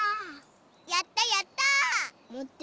やったやった！